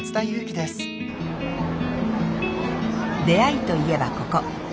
出会いといえばここ。